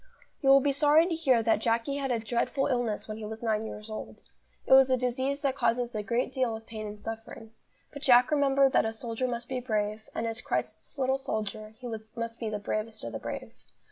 You will be sorry to hear that Jacky had a dreadful illness when he was nine years old. It was a disease that causes a great deal of pain and suffering. But Jack remembered that a soldier must be brave, and, as Christ's little soldier, he must be the bravest of the brave.